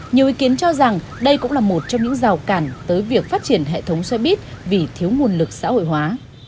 nhiều ý kiến cho rằng đây cũng là một trong những rào cản tới việc phát triển hệ thống xoay bít vì thiếu nguồn lực xã hội hóa